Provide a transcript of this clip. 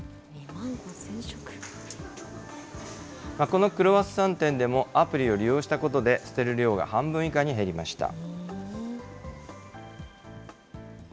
このクロワッサン店でも、アプリを利用したことで、捨てる量が半分以下に減りました。